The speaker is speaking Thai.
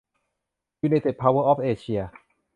ยูไนเต็ด เพาเวอร์ ออฟ เอเชีย